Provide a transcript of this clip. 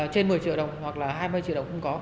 trên một mươi triệu đồng hoặc hai mươi triệu đồng cũng có